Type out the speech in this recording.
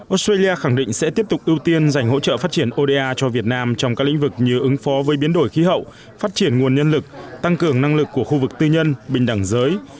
australia khẳng định sẽ tiếp tục ưu tiên dành hỗ trợ phát triển oda cho việt nam trong các lĩnh vực như ứng phó với biến đổi khí hậu phát triển nguồn nhân lực tăng cường năng lực của khu vực tư nhân bình đẳng giới